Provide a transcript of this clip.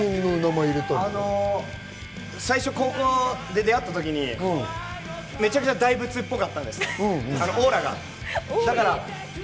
最初、高校で出会った時にめちゃくちゃ大仏っぽかったんです、オーラが。